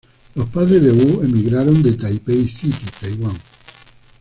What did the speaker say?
Los padres de Wu emigraron de Taipei City, Taiwan.